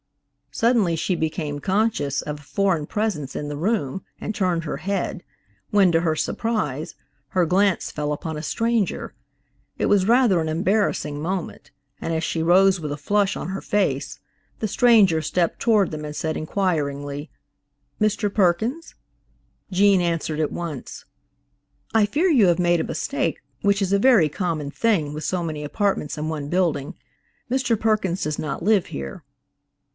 Suddenly, she became conscious of a foreign presence in the room, and turned her head, when, to her surprise, her glance fell upon a stranger. It was rather an embarrassing moment, and as she rose with a flush on her face, the stranger stepped toward them and said, inquiringly, "Mr. Perkins?" Gene answered at once, "I fear you have made a mistake, which is a very common thing with so many apartments in one building. Mr. Perkins does not live here."